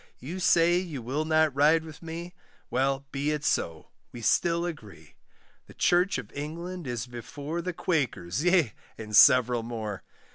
You say you will not ride with me, Well, be it so, we still agree; The church of England is before The Quakers, yea, and several more.